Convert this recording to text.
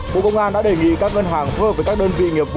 bộ công an đã đề nghị các ngân hàng phơ với các đơn vị nghiệp vụ